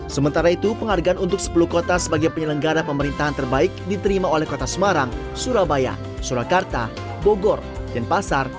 sementara itu penghargaan untuk sepuluh kota sebagai penyelenggara pemerintahan terbaik diterima oleh kota semarang surabaya surakarta bogor dan pasar